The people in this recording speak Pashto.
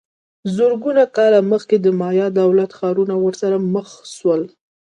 زرګونه کاله مخکې د مایا دولت ښارونه ورسره مخ سول